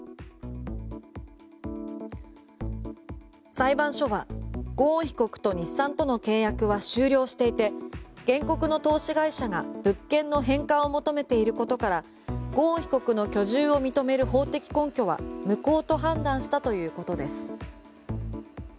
裁判所はゴーン被告と日産との契約は終了していて原告の投資会社が物件の返還を求めていることからゴーン被告の居住を認める法的根拠は無効と判断したということです。